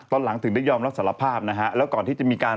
ตัวเองแบบรู้สึกเสียใจมาก